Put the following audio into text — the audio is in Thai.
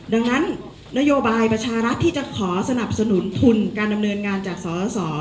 ดังนั้นนโยบายประชารัฐที่จะขอสนับสนุนทุนการดำเนินงานจากสส